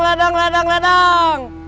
ladang ladang ladang